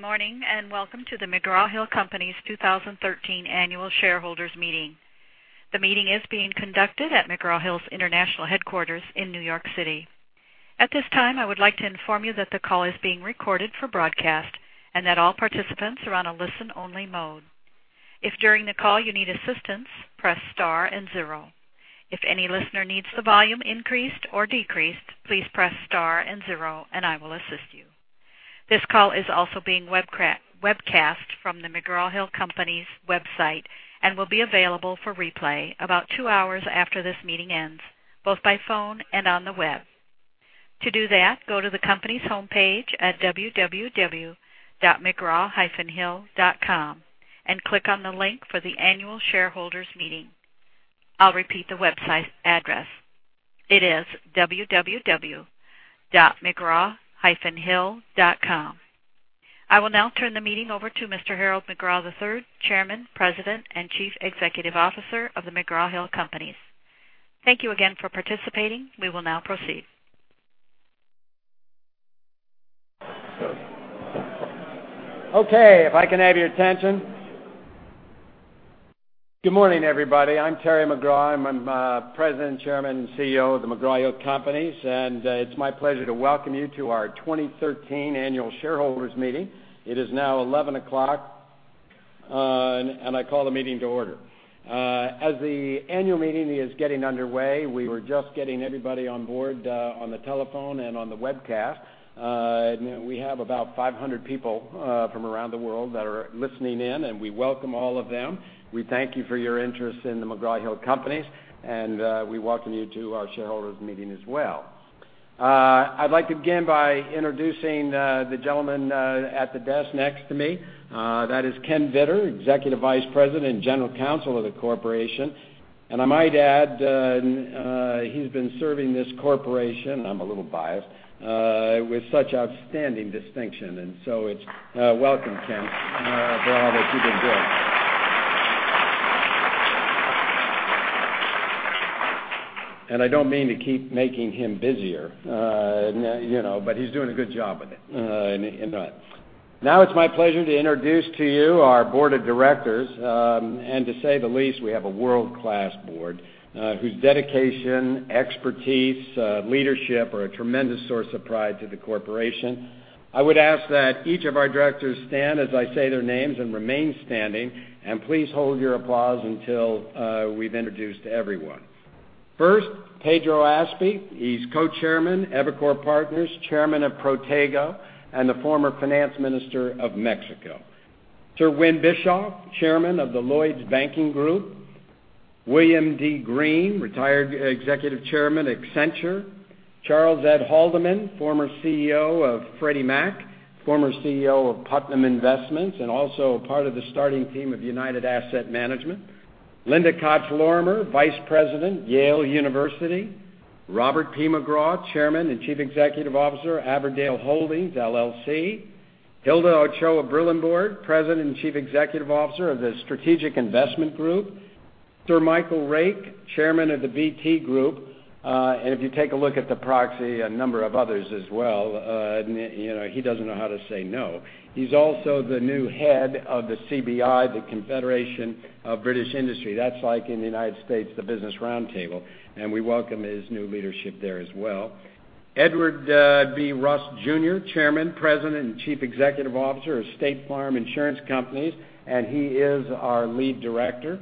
Good morning, and welcome to The McGraw-Hill Companies 2013 Annual Shareholders Meeting. The meeting is being conducted at McGraw Hill's international headquarters in New York City. At this time, I would like to inform you that the call is being recorded for broadcast and that all participants are on a listen-only mode. If during the call you need assistance, press star and zero. If any listener needs the volume increased or decreased, please press star and zero, and I will assist you. This call is also being webcast from The McGraw-Hill Companies website and will be available for replay about two hours after this meeting ends, both by phone and on the web. To do that, go to the company's homepage at www.mcgraw-hill.com and click on the link for the Annual Shareholders Meeting. I'll repeat the website address. It is www.mcgraw-hill.com. I will now turn the meeting over to Mr. Harold McGraw III, Chairman, President, and Chief Executive Officer of The McGraw-Hill Companies. Thank you again for participating. We will now proceed. Okay, if I can have your attention. Good morning, everybody. I'm Terry McGraw. I'm President, Chairman, CEO of The McGraw-Hill Companies, and it's my pleasure to welcome you to our 2013 Annual Shareholders Meeting. It is now 11 o'clock, and I call the meeting to order. As the annual meeting is getting underway, we were just getting everybody on board on the telephone and on the webcast. We have about 500 people from around the world that are listening in, and we welcome all of them. We thank you for your interest in The McGraw-Hill Companies, and we welcome you to our shareholders meeting as well. I'd like to begin by introducing the gentleman at the desk next to me. That is Ken Vittor, Executive Vice President and General Counsel of the corporation. I might add, he's been serving this corporation, I'm a little biased, with such outstanding distinction, welcome, Ken, for all that you do. I don't mean to keep making him busier but he's doing a good job with it. Now it's my pleasure to introduce to you our board of directors, and to say the least, we have a world-class board, whose dedication, expertise, leadership are a tremendous source of pride to the corporation. I would ask that each of our directors stand as I say their names and remain standing, and please hold your applause until we've introduced everyone. First, Pedro Aspe. He's Co-Chairman, Evercore Partners, Chairman of Protego, and the former Finance Minister of Mexico. Sir Win Bischoff, Chairman of Lloyds Banking Group. William D. Green, retired Executive Chairman, Accenture. Charles E. Haldeman, former CEO of Freddie Mac, former CEO of Putnam Investments, and also part of the starting team of United Asset Management. Linda Koch Lorimer, Vice President, Yale University. Robert P. McGraw, Chairman and Chief Executive Officer, Averdale Holdings, LLC. Hilda Ochoa-Brillembourg, President and Chief Executive Officer of the Strategic Investment Group. Sir Michael Rake, Chairman of the BT Group. If you take a look at the proxy, a number of others as well. He doesn't know how to say no. He's also the new head of the CBI, the Confederation of British Industry. That's like in the U.S., the Business Roundtable, and we welcome his new leadership there as well. Edward B. Rust Jr., Chairman, President, and Chief Executive Officer of State Farm Insurance Companies, and he is our Lead Director.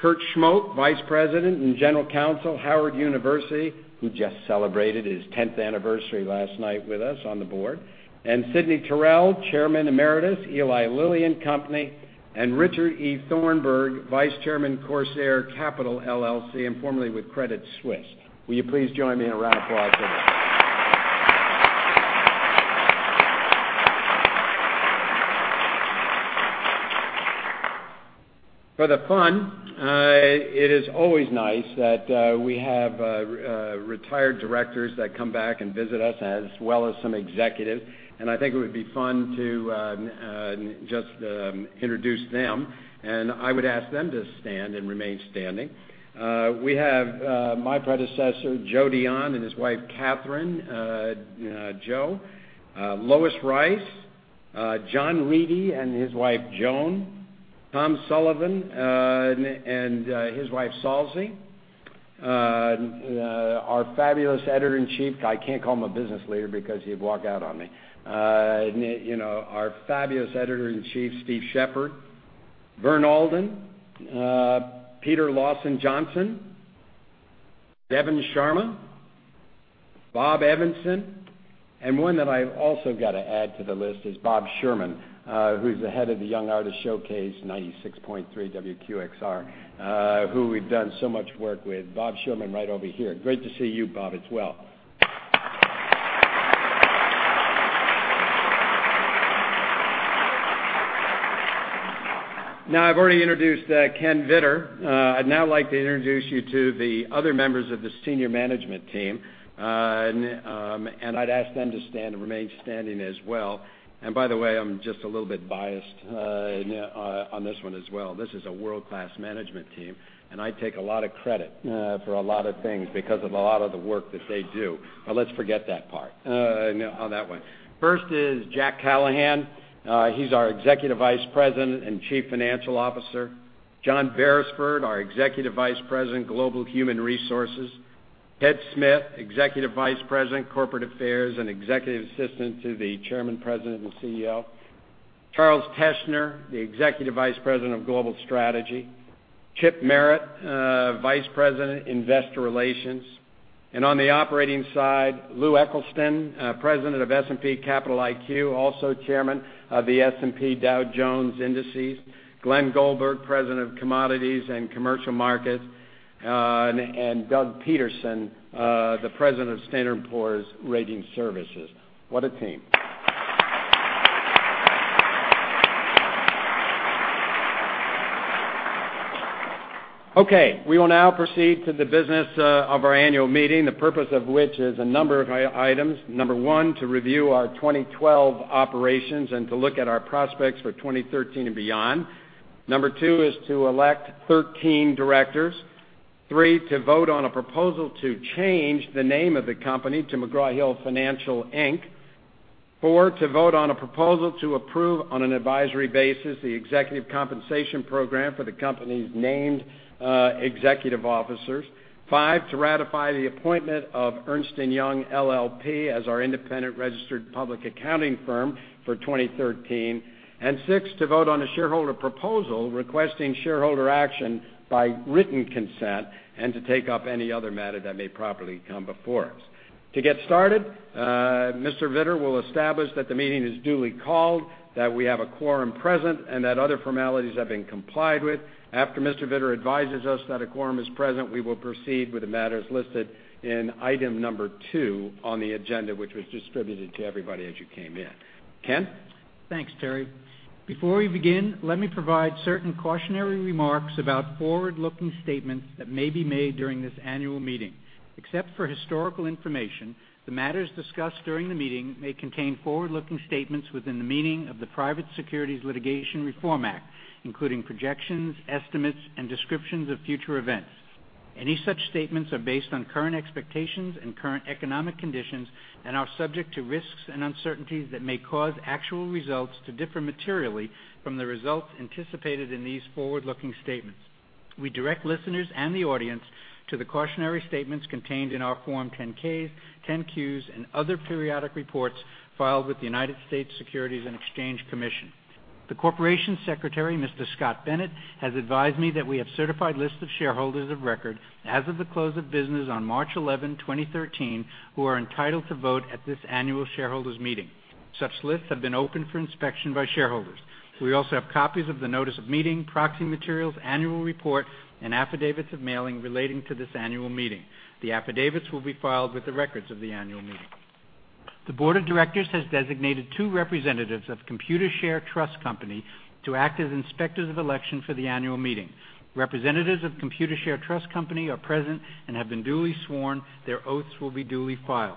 Kurt Schmoke, Vice President and General Counsel, Howard University, who just celebrated his 10th anniversary last night with us on the board. Sidney Taurel, Chairman Emeritus, Eli Lilly and Company, and Richard E. Thornburgh, Vice Chairman, Corsair Capital LLC, and formerly with Credit Suisse. Will you please join me in a round of applause for them? For the fun, it is always nice that we have retired directors that come back and visit us as well as some executives. I think it would be fun to just introduce them, and I would ask them to stand and remain standing. We have my predecessor, Joseph L. Dionne, and his wife, Catherine Dionne. Lois Rice, John Reedy and his wife, Joan. Thomas Sullivan and his wife, Salsey Sullivan. Our fabulous editor-in-chief, I can't call him a business leader because he'd walk out on me. Our fabulous editor-in-chief, Stephen B. Shepard. Vernon R. Alden, Peter O. Lawson-Johnston, Deven Sharma, Robert E. Evanson, and one that I've also got to add to the list is Robert Sherman who's the head of the Young Artists Showcase 96.3 WQXR, who we've done so much work with. Robert Sherman right over here. Great to see you, Bob, as well. Now, I've already introduced Kenneth Vittor. I'd now like to introduce you to the other members of the senior management team. I'd ask them to stand and remain standing as well. By the way, I'm just a little bit biased on this one as well. This is a world-class management team, and I take a lot of credit for a lot of things because of a lot of the work that they do. Let's forget that part on that one. First is Jack F. Callahan, Jr. He's our Executive Vice President and Chief Financial Officer. John L. Berisford, our Executive Vice President, Global Human Resources. Ted Smyth, Executive Vice President, Corporate Affairs and Executive Assistant to the Chairman, President, and CEO. Charles L. Teschner, Jr., the Executive Vice President of Global Strategy. Chip Merritt, Vice President, Investor Relations. On the operating side, Lou Eccleston, President of S&P Capital IQ, also Chairman of the S&P Dow Jones Indices. Glenn S. Goldberg, President of Commodities and Commercial Markets, and Douglas L. Peterson, the President of Standard & Poor's Ratings Services. What a team. Okay, we will now proceed to the business of our annual meeting, the purpose of which is a number of items. Number one, to review our 2012 operations and to look at our prospects for 2013 and beyond. Number two is to elect 13 directors. Three, to vote on a proposal to change the name of the company to McGraw Hill Financial Inc. Four, to vote on a proposal to approve on an advisory basis the executive compensation program for the company's named executive officers. Five, to ratify the appointment of Ernst & Young LLP as our independent registered public accounting firm for 2013, and six, to vote on a shareholder proposal requesting shareholder action by written consent and to take up any other matter that may properly come before us. To get started, Mr. Vittor will establish that the meeting is duly called, that we have a quorum present, and that other formalities have been complied with. After Mr. Vittor advises us that a quorum is present, we will proceed with the matters listed in item number 2 on the agenda, which was distributed to everybody as you came in. Ken? Thanks, Terry. Before we begin, let me provide certain cautionary remarks about forward-looking statements that may be made during this annual meeting. Except for historical information, the matters discussed during the meeting may contain forward-looking statements within the meaning of the Private Securities Litigation Reform Act, including projections, estimates, and descriptions of future events. Any such statements are based on current expectations and current economic conditions and are subject to risks and uncertainties that may cause actual results to differ materially from the results anticipated in these forward-looking statements. We direct listeners and the audience to the cautionary statements contained in our Form 10-Ks, 10-Qs, and other periodic reports filed with the United States Securities and Exchange Commission. The Corporate Secretary, Mr. Scott Bennett, has advised me that we have certified lists of shareholders of record as of the close of business on March 11, 2013, who are entitled to vote at this annual shareholders' meeting. Such lists have been open for inspection by shareholders. We also have copies of the notice of meeting, proxy materials, annual report, and affidavits of mailing relating to this annual meeting. The affidavits will be filed with the records of the annual meeting. The board of directors has designated two representatives of Computershare Trust Company to act as inspectors of election for the annual meeting. Representatives of Computershare Trust Company are present and have been duly sworn. Their oaths will be duly filed.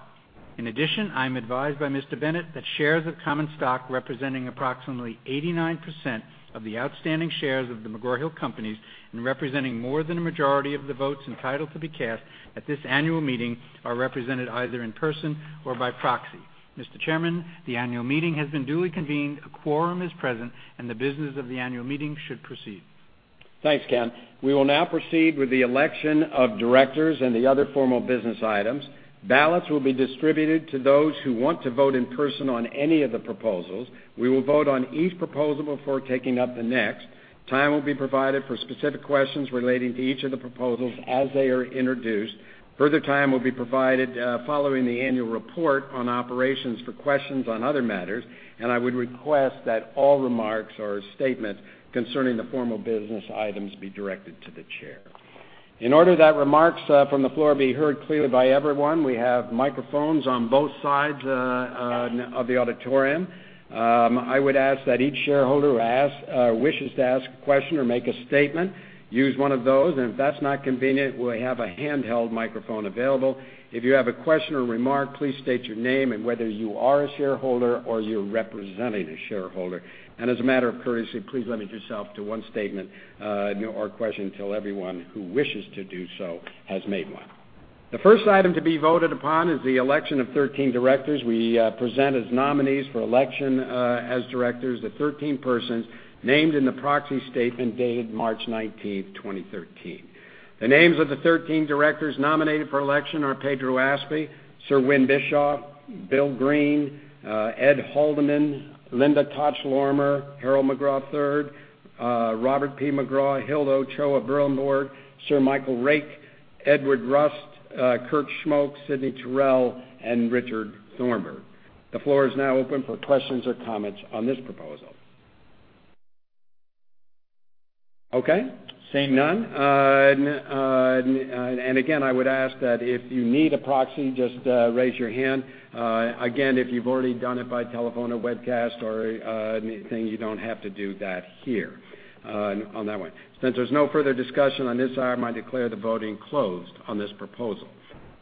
In addition, I'm advised by Mr. Bennett that shares of common stock representing approximately 89% of the outstanding shares of The McGraw-Hill Companies and representing more than a majority of the votes entitled to be cast at this annual meeting are represented either in person or by proxy. Mr. Chairman, the annual meeting has been duly convened, a quorum is present, and the business of the annual meeting should proceed. Thanks, Ken. We will now proceed with the election of directors and the other formal business items. Ballots will be distributed to those who want to vote in person on any of the proposals. We will vote on each proposal before taking up the next. Time will be provided for specific questions relating to each of the proposals as they are introduced. Further time will be provided following the annual report on operations for questions on other matters. I would request that all remarks or statements concerning the formal business items be directed to the chair. In order that remarks from the floor be heard clearly by everyone, we have microphones on both sides of the auditorium. I would ask that each shareholder who wishes to ask a question or make a statement use one of those. If that's not convenient, we have a handheld microphone available. If you have a question or remark, please state your name and whether you are a shareholder or you're representing a shareholder. As a matter of courtesy, please limit yourself to one statement or question till everyone who wishes to do so has made one. The first item to be voted upon is the election of 13 directors. We present as nominees for election as directors the 13 persons named in the proxy statement dated March 19, 2013. The names of the 13 directors nominated for election are Pedro Aspe, Sir Winfried Bischoff, Bill Green, Ed Haldeman, Linda Koch Lorimer, Harold McGraw III, Robert P. McGraw, Hilda Ochoa-Brillembourg, Sir Michael Rake, Edward Rust, Kurt Schmoke, Sidney Taurel, and Richard Thornburgh. The floor is now open for questions or comments on this proposal. Okay, seeing none. Again, I would ask that if you need a proxy, just raise your hand. Again, if you've already done it by telephone or webcast or anything, you don't have to do that here on that one. Since there's no further discussion on this item, I declare the voting closed on this proposal.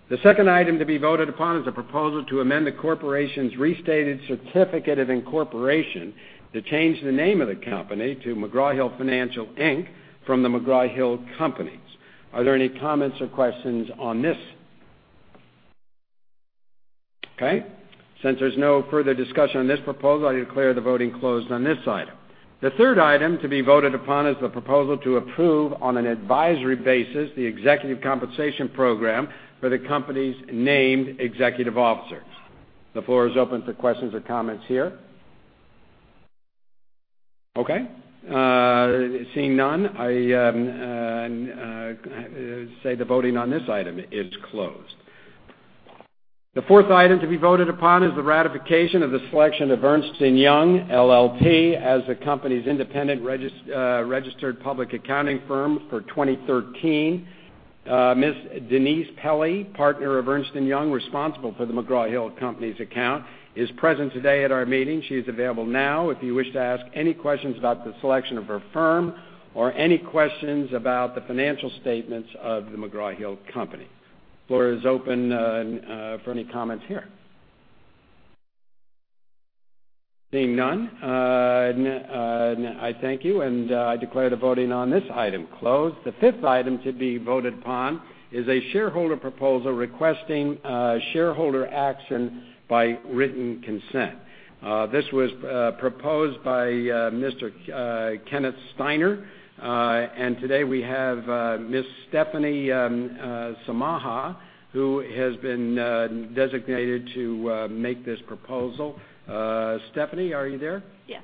The second item to be voted upon is a proposal to amend the corporation's restated certificate of incorporation to change the name of the company to McGraw Hill Financial Inc from The McGraw-Hill Companies. Are there any comments or questions on this item? Okay. Since there's no further discussion on this proposal, I declare the voting closed on this item. The third item to be voted upon is the proposal to approve, on an advisory basis, the executive compensation program for the company's named executive officers. The floor is open for questions or comments here. Okay, seeing none, I say the voting on this item is closed. The fourth item to be voted upon is the ratification of the selection of Ernst & Young LLP as the company's independent registered public accounting firm for 2013. Ms. Denise Pelley, partner of Ernst & Young, responsible for The McGraw-Hill Companies' account, is present today at our meeting. She's available now if you wish to ask any questions about the selection of her firm or any questions about the financial statements of The McGraw-Hill Companies. Floor is open for any comments here. Seeing none, I thank you. I declare the voting on this item closed. The fifth item to be voted upon is a shareholder proposal requesting shareholder action by written consent. This was proposed by Mr. Kenneth Steiner. Today we have Ms. Stephanie Samaha, who has been designated to make this proposal. Stephanie, are you there? Yes.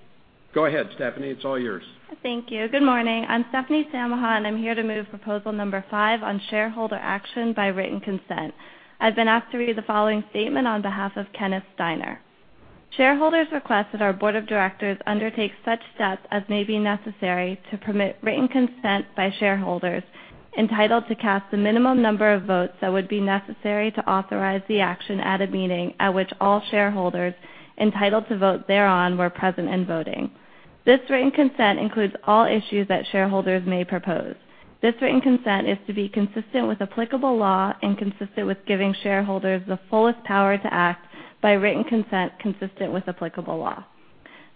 Go ahead, Stephanie. It's all yours. Thank you. Good morning. I'm Stephanie Samaha. I'm here to move proposal number 5 on shareholder action by written consent. I've been asked to read the following statement on behalf of Kenneth Steiner: "Shareholders request that our board of directors undertake such steps as may be necessary to permit written consent by shareholders entitled to cast the minimum number of votes that would be necessary to authorize the action at a meeting at which all shareholders entitled to vote thereon were present and voting. This written consent includes all issues that shareholders may propose. This written consent is to be consistent with applicable law and consistent with giving shareholders the fullest power to act by written consent consistent with applicable law.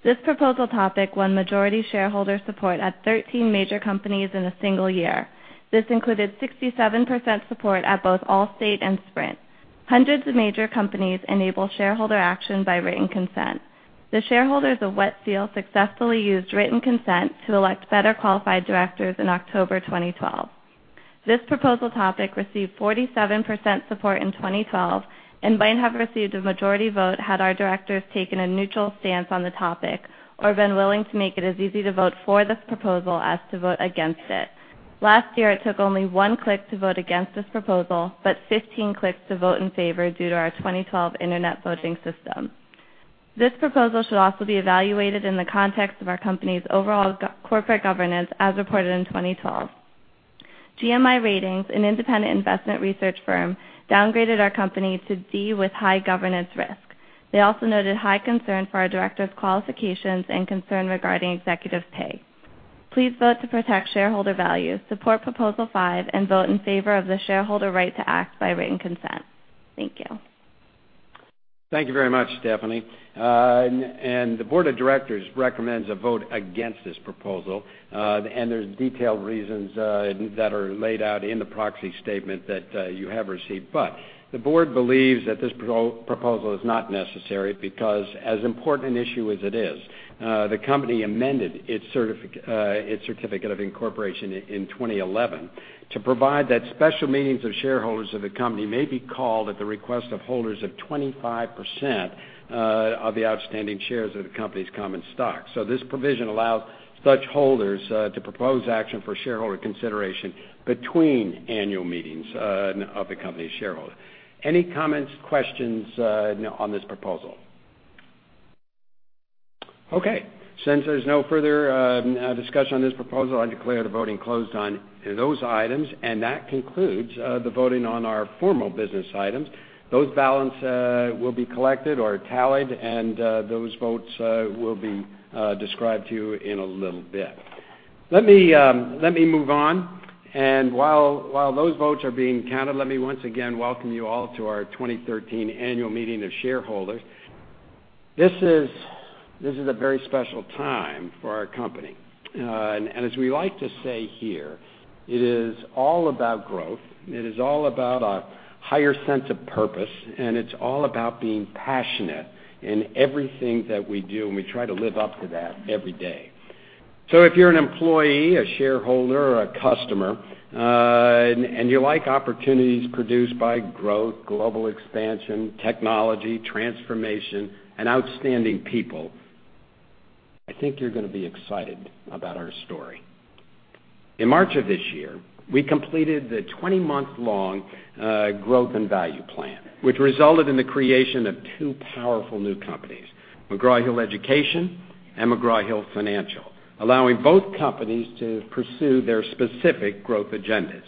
This proposal topic won majority shareholder support at 13 major companies in a single year. This included 67% support at both Allstate and Sprint. Hundreds of major companies enable shareholder action by written consent. The shareholders of Wet Seal successfully used written consent to elect better qualified directors in October 2012. This proposal topic received 47% support in 2012 and might have received a majority vote had our directors taken a neutral stance on the topic or been willing to make it as easy to vote for this proposal as to vote against it. Last year, it took only one click to vote against this proposal, but 15 clicks to vote in favor due to our 2012 internet voting system. This proposal should also be evaluated in the context of our company's overall corporate governance as reported in 2012. GMI Ratings, an independent investment research firm, downgraded our company to D with high governance risk. They also noted high concern for our directors' qualifications and concern regarding executive pay. Please vote to protect shareholder value, support proposal five, and vote in favor of the shareholder right to act by written consent." Thank you. Thank you very much, Stephanie. The board of directors recommends a vote against this proposal, and there's detailed reasons that are laid out in the proxy statement that you have received. The board believes that this proposal is not necessary because, as important an issue as it is, the company amended its certificate of incorporation in 2011 to provide that special meetings of shareholders of the company may be called at the request of holders of 25% of the outstanding shares of the company's common stock. This provision allows such holders to propose action for shareholder consideration between annual meetings of the company's shareholders. Any comments, questions on this proposal? Since there's no further discussion on this proposal, I declare the voting closed on those items, and that concludes the voting on our formal business items. Those ballots will be collected or tallied, and those votes will be described to you in a little bit. Let me move on, and while those votes are being counted, let me once again welcome you all to our 2013 annual meeting of shareholders. This is a very special time for our company. As we like to say here, it is all about growth, it is all about a higher sense of purpose, and it's all about being passionate in everything that we do, and we try to live up to that every day. If you're an employee, a shareholder, or a customer, and you like opportunities produced by growth, global expansion, technology, transformation, and outstanding people, I think you're going to be excited about our story. In March of this year, we completed the 20-month-long Growth and Value Plan, which resulted in the creation of two powerful new companies, McGraw-Hill Education and McGraw Hill Financial, allowing both companies to pursue their specific growth agendas.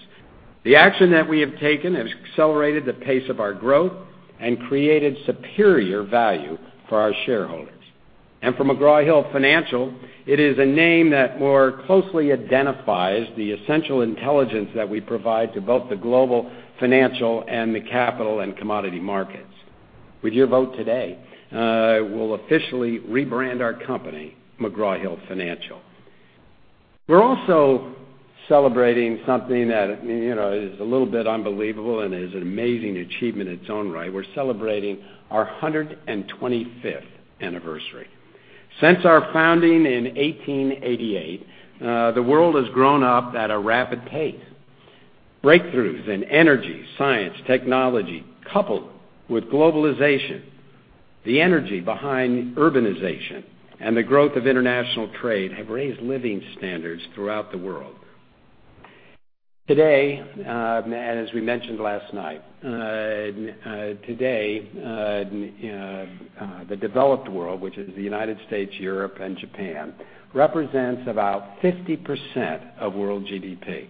The action that we have taken has accelerated the pace of our growth and created superior value for our shareholders. For McGraw Hill Financial, it is a name that more closely identifies the essential intelligence that we provide to both the global financial and the capital and commodity markets. With your vote today, we'll officially rebrand our company McGraw Hill Financial. We're also celebrating something that is a little bit unbelievable and is an amazing achievement in its own right. We're celebrating our 125th anniversary. Since our founding in 1888, the world has grown up at a rapid pace. Breakthroughs in energy, science, technology, coupled with globalization, the energy behind urbanization, and the growth of international trade have raised living standards throughout the world. Today, as we mentioned last night, the developed world, which is the U.S., Europe, and Japan, represents about 50% of world GDP.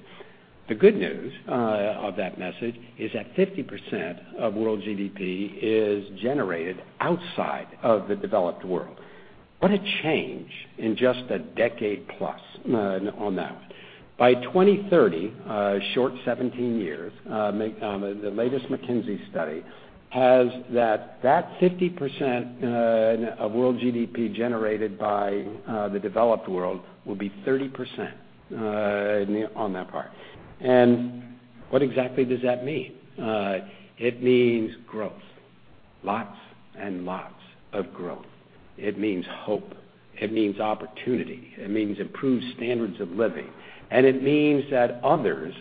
The good news of that message is that 50% of world GDP is generated outside of the developed world. What a change in just a decade plus on that. By 2030, a short 17 years, the latest McKinsey study has that 50% of world GDP generated by the developed world will be 30% on that part. What exactly does that mean? It means growth. Lots and lots of growth. It means hope. It means opportunity. It means improved standards of living. It means that others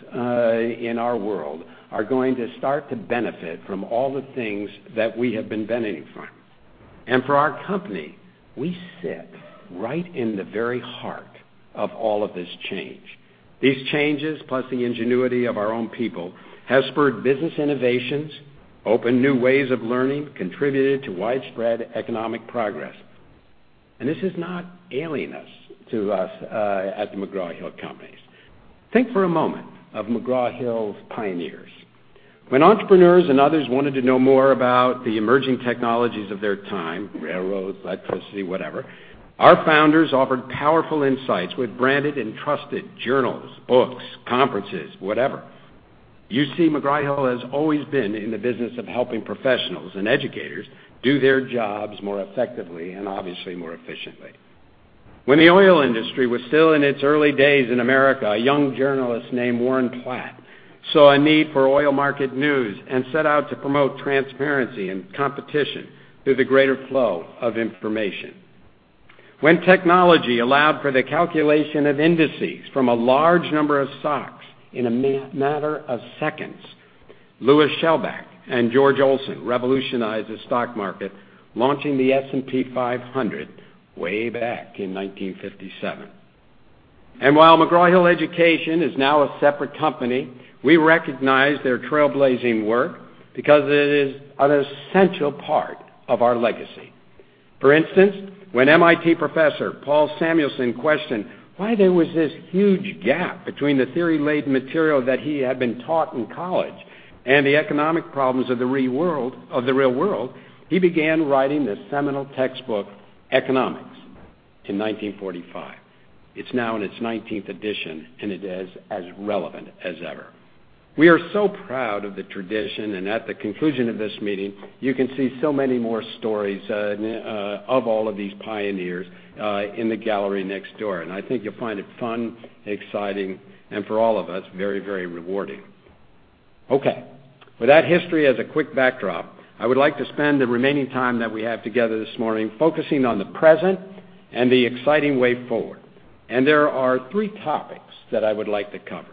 in our world are going to start to benefit from all the things that we have been benefiting from. For our company, we sit right in the very heart of all of this change. These changes, plus the ingenuity of our own people, has spurred business innovations, opened new ways of learning, contributed to widespread economic progress. This is not alien to us at The McGraw-Hill Companies. Think for a moment of McGraw-Hill's pioneers. When entrepreneurs and others wanted to know more about the emerging technologies of their time, railroads, electricity, whatever, our founders offered powerful insights with branded and trusted journals, books, conferences, whatever. You see, McGraw-Hill has always been in the business of helping professionals and educators do their jobs more effectively and obviously more efficiently. When the oil industry was still in its early days in America, a young journalist named Warren Platt saw a need for oil market news and set out to promote transparency and competition through the greater flow of information. When technology allowed for the calculation of indices from a large number of stocks in a matter of seconds, Lew Schellbach and George Olsen revolutionized the stock market, launching the S&P 500 way back in 1957. While McGraw-Hill Education is now a separate company, we recognize their trailblazing work because it is an essential part of our legacy. For instance, when MIT Professor Paul Samuelson questioned why there was this huge gap between the theory-laden material that he had been taught in college and the economic problems of the real world, he began writing the seminal textbook, "Economics" in 1945. It's now in its 19th edition, and it is as relevant as ever. We are so proud of the tradition, and at the conclusion of this meeting, you can see so many more stories of all of these pioneers in the gallery next door. I think you'll find it fun, exciting, and for all of us, very rewarding. Okay, with that history as a quick backdrop, I would like to spend the remaining time that we have together this morning focusing on the present and the exciting way forward. There are three topics that I would like to cover.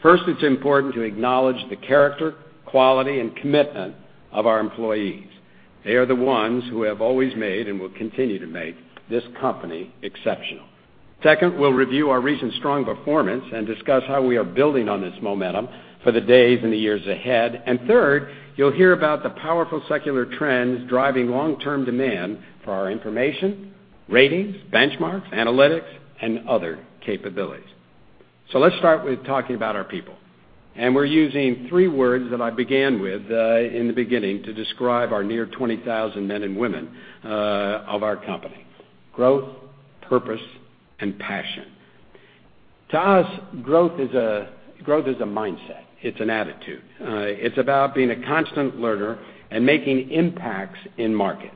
First, it's important to acknowledge the character, quality, and commitment of our employees. They are the ones who have always made and will continue to make this company exceptional. Second, we'll review our recent strong performance and discuss how we are building on this momentum for the days and the years ahead. Third, you'll hear about the powerful secular trends driving long-term demand for our information, ratings, benchmarks, analytics, and other capabilities. Let's start with talking about our people. We're using three words that I began with in the beginning to describe our near 20,000 men and women of our company, growth, purpose, and passion. To us, growth is a mindset. It's an attitude. It's about being a constant learner and making impacts in markets.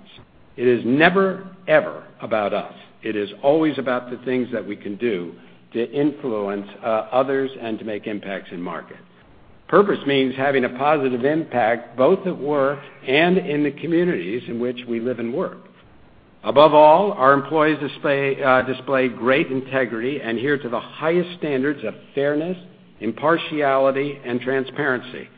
It is never, ever about us. It is always about the things that we can do to influence others and to make impacts in markets. Purpose means having a positive impact both at work and in the communities in which we live and work. Above all, our employees display great integrity and adhere to the highest standards of fairness, impartiality, and transparency.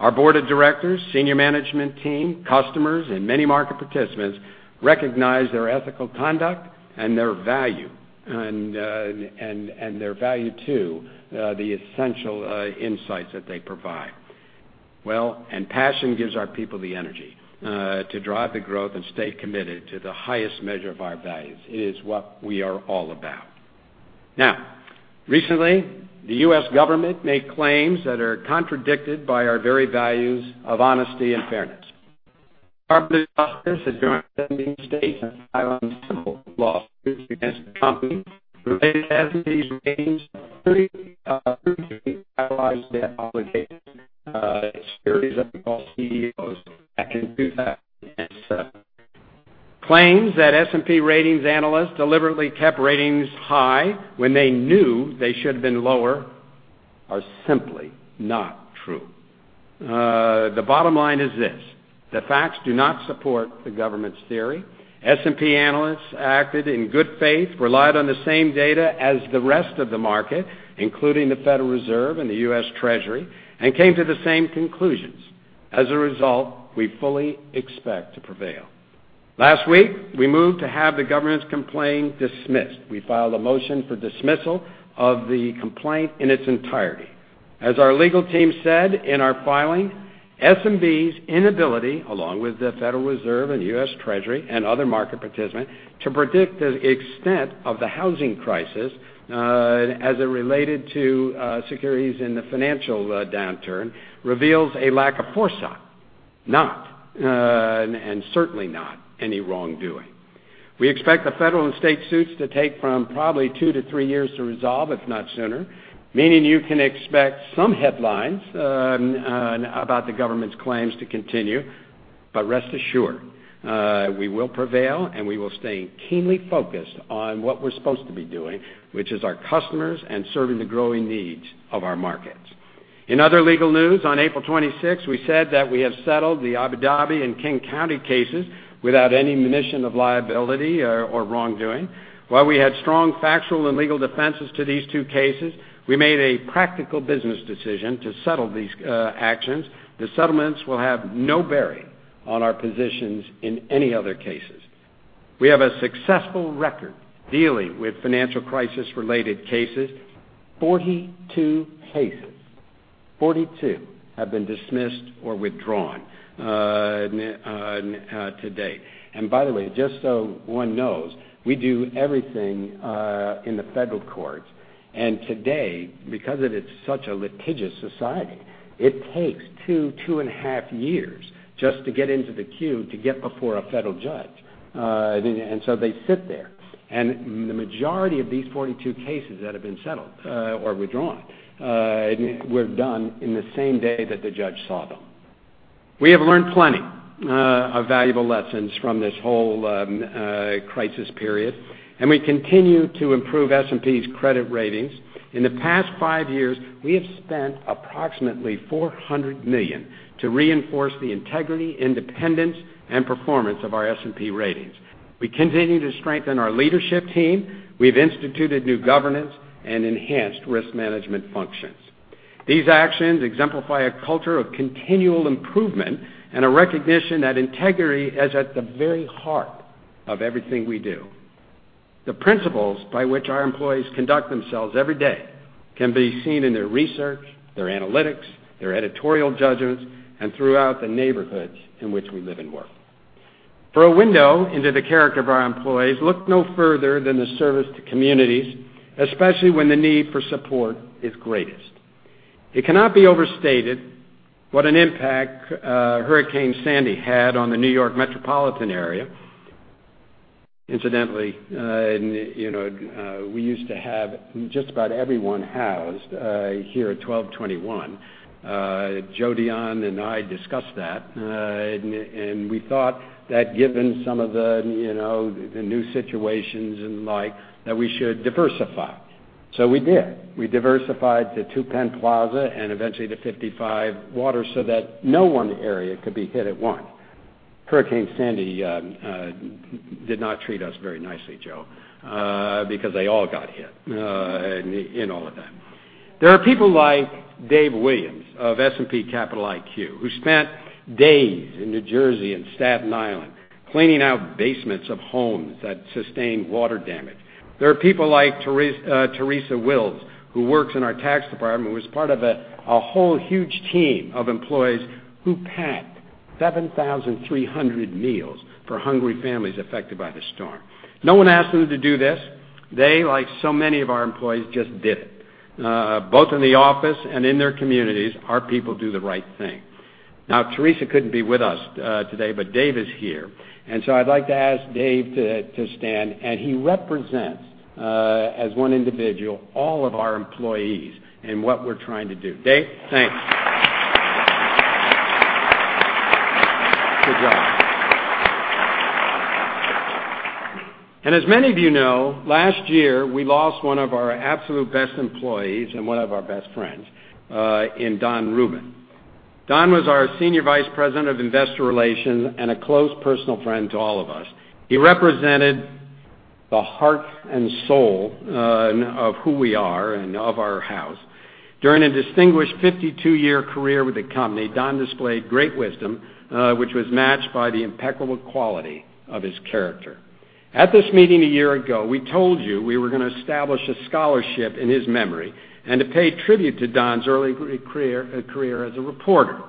Our board of directors, senior management team, customers, and many market participants recognize their ethical conduct and their value too, the essential insights that they provide. Passion gives our people the energy to drive the growth and stay committed to the highest measure of our values. It is what we are all about. Recently, the U.S. government made claims that are contradicted by our very values of honesty and fairness. Our business has joined many states and filed a civil lawsuit against the company related to these claims. Claims that S&P Ratings analysts deliberately kept ratings high when they knew they should have been lower are simply not true. The bottom line is this, the facts do not support the government's theory. S&P analysts acted in good faith, relied on the same data as the rest of the market, including the Federal Reserve and the U.S. Treasury, and came to the same conclusions. As a result, we fully expect to prevail. Last week, we moved to have the government's complaint dismissed. We filed a motion for dismissal of the complaint in its entirety. As our legal team said in our filing, S&P's inability, along with the Federal Reserve and U.S. Treasury and other market participants, to predict the extent of the housing crisis, as it related to securities in the financial downturn, reveals a lack of foresight, and certainly not any wrongdoing. We expect the federal and state suits to take from probably two to three years to resolve, if not sooner, meaning you can expect some headlines about the government's claims to continue. Rest assured, we will prevail, and we will stay keenly focused on what we're supposed to be doing, which is our customers and serving the growing needs of our markets. In other legal news, on April 26, we said that we have settled the Abu Dhabi and King County cases without any admission of liability or wrongdoing. While we had strong factual and legal defenses to these two cases, we made a practical business decision to settle these actions. The settlements will have no bearing on our positions in any other cases. We have a successful record dealing with financial crisis-related cases. 42 cases, 42, have been dismissed or withdrawn to date. By the way, just so one knows, we do everything in the federal courts. Today, because it is such a litigious society, it takes two and a half years just to get into the queue to get before a federal judge. They sit there, and the majority of these 42 cases that have been settled or withdrawn were done in the same day that the judge saw them. We have learned plenty of valuable lessons from this whole crisis period, and we continue to improve S&P's credit ratings. In the past five years, we have spent approximately $400 million to reinforce the integrity, independence, and performance of our S&P ratings. We continue to strengthen our leadership team. We've instituted new governance and enhanced risk management functions. These actions exemplify a culture of continual improvement and a recognition that integrity is at the very heart of everything we do. The principles by which our employees conduct themselves every day can be seen in their research, their analytics, their editorial judgments, and throughout the neighborhoods in which we live and work. For a window into the character of our employees, look no further than the service to communities, especially when the need for support is greatest. It cannot be overstated what an impact Hurricane Sandy had on the New York metropolitan area. Incidentally, we used to have just about everyone housed here at 1221. Joe Dionne and I discussed that, and we thought that given some of the new situations and like, that we should diversify. We did. We diversified to Two Penn Plaza and eventually to 55 Water so that no one area could be hit at once. Hurricane Sandy did not treat us very nicely, Joe because they all got hit in all of that. There are people like Dave Williams of S&P Capital IQ, who spent days in New Jersey and Staten Island, cleaning out basements of homes that sustained water damage. There are people like Teresa Wills, who works in our tax department, who was part of a whole huge team of employees who packed 7,300 meals for hungry families affected by the storm. No one asked them to do this. They, like so many of our employees, just did it. Both in the office and in their communities, our people do the right thing. Teresa couldn't be with us today, but Dave is here. I'd like to ask Dave to stand, and he represents, as one individual, all of our employees and what we're trying to do. Dave, thanks. Good job. As many of you know, last year we lost one of our absolute best employees and one of our best friends, in Don Rubin. Don was our Senior Vice President of Investor Relations and a close personal friend to all of us. He represented the heart and soul of who we are and of our house. During a distinguished 52-year career with the company, Don displayed great wisdom, which was matched by the impeccable quality of his character. At this meeting a year ago, we told you we were going to establish a scholarship in his memory and to pay tribute to Don's early career as a reporter.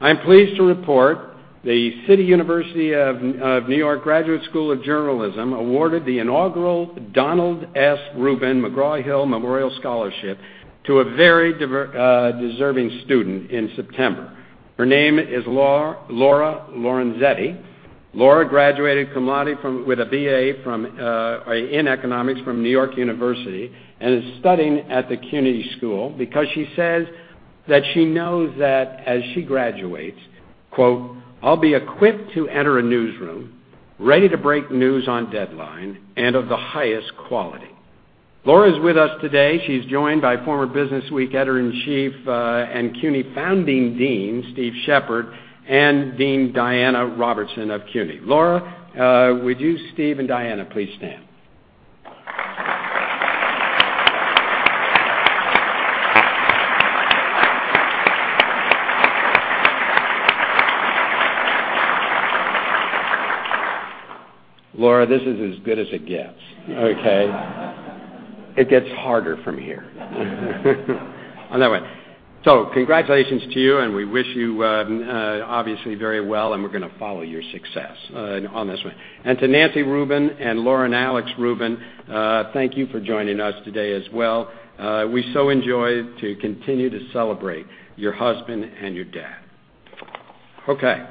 I am pleased to report the City University of New York Graduate School of Journalism awarded the inaugural Donald S. Rubin McGraw-Hill Memorial Scholarship to a very deserving student in September. Her name is Laura Lorenzetti. Laura graduated cum laude with a BA in economics from New York University and is studying at the CUNY school because she says that she knows that as she graduates, quote, "I'll be equipped to enter a newsroom, ready to break news on deadline, and of the highest quality." Laura's with us today. She's joined by former "Businessweek" editor-in-chief, and CUNY founding dean, Steve Shepard, and Dean [Diana Robertson] of CUNY. Laura, would you, Steve, and Diana please stand? Laura, this is as good as it gets, okay? It gets harder from here. On that way. Congratulations to you, and we wish you obviously very well, and we're going to follow your success on this one. To Nancy Rubin and Laura and Alex Rubin, thank you for joining us today as well. We so enjoy to continue to celebrate your husband and your dad. Okay.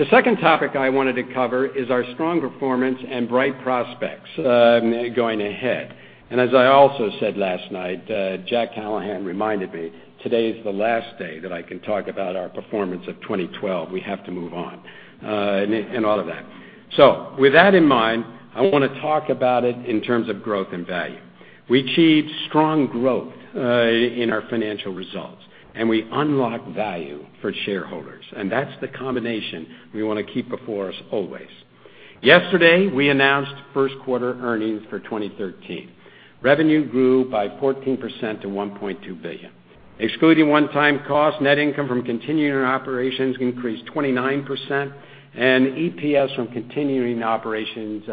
The second topic I wanted to cover is our strong performance and bright prospects going ahead. As I also said last night, Jack Callahan reminded me, today is the last day that I can talk about our performance of 2012. We have to move on and all of that. With that in mind, I want to talk about it in terms of growth and value. We achieved strong growth in our financial results, and we unlocked value for shareholders. That's the combination we want to keep before us always. Yesterday, we announced first quarter earnings for 2013. Revenue grew by 14% to $1.2 billion. Excluding one-time costs, net income from continuing operations increased 29%, and EPS from continuing operations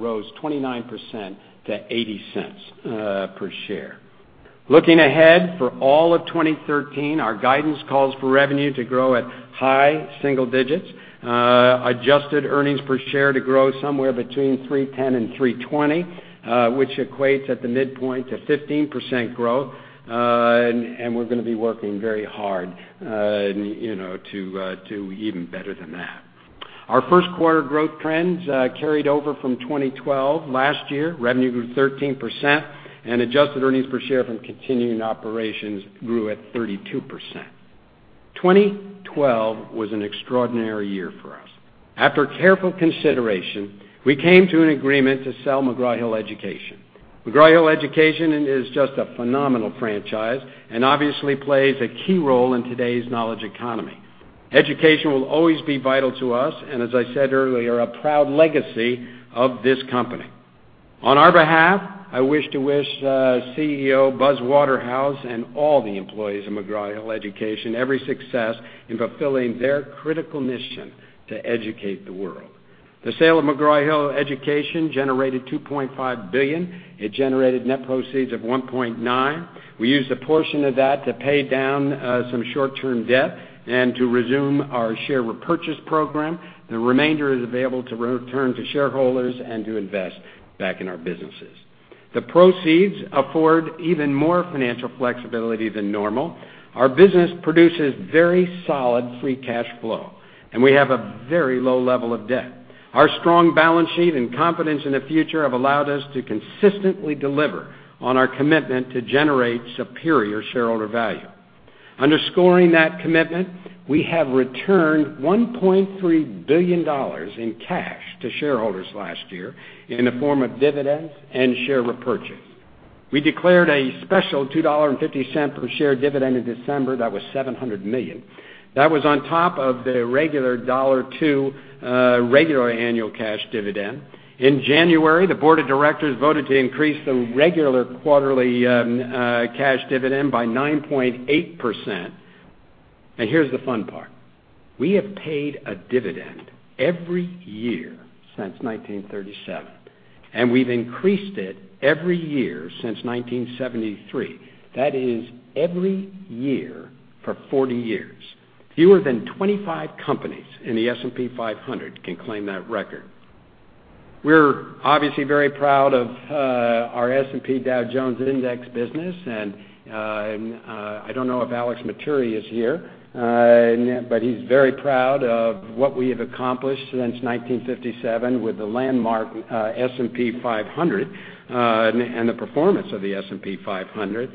rose 29% to $0.80 per share. Looking ahead, for all of 2013, our guidance calls for revenue to grow at high single digits, adjusted earnings per share to grow somewhere between $3.10 and $3.20, which equates at the midpoint to 15% growth, we're going to be working very hard to do even better than that. Our first quarter growth trends carried over from 2012. Last year, revenue grew 13%, and adjusted earnings per share from continuing operations grew at 32%. 2012 was an extraordinary year for us. After careful consideration, we came to an agreement to sell McGraw-Hill Education. McGraw-Hill Education is just a phenomenal franchise and obviously plays a key role in today's knowledge economy. Education will always be vital to us and, as I said earlier, a proud legacy of this company. On our behalf, I wish to wish CEO Buzz Waterhouse and all the employees of McGraw-Hill Education every success in fulfilling their critical mission to educate the world. The sale of McGraw-Hill Education generated $2.5 billion. It generated net proceeds of $1.9 billion. We used a portion of that to pay down some short-term debt and to resume our share repurchase program. The remainder is available to return to shareholders and to invest back in our businesses. The proceeds afford even more financial flexibility than normal. Our business produces very solid free cash flow, and we have a very low level of debt. Our strong balance sheet and confidence in the future have allowed us to consistently deliver on our commitment to generate superior shareholder value. Underscoring that commitment, we have returned $1.3 billion in cash to shareholders last year in the form of dividends and share repurchase. We declared a special $2.50 per share dividend in December. That was $700 million. That was on top of the regular $2 regular annual cash dividend. In January, the board of directors voted to increase the regular quarterly cash dividend by 9.8%. Here's the fun part. We have paid a dividend every year since 1937, and we've increased it every year since 1973. That is every year for 40 years. Fewer than 25 companies in the S&P 500 can claim that record. We're obviously very proud of our S&P Dow Jones Indices business, and I don't know if Alex Matturri is here, but he's very proud of what we have accomplished since 1957 with the landmark S&P 500 and the performance of the S&P 500.